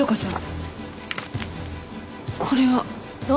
これは？